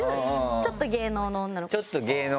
ちょっと芸能の女の子。